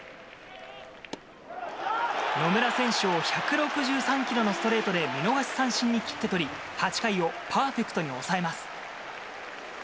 野村選手を１６３キロのストレートで見逃し三振に切ってとり、８回をパーフェクトに抑えます。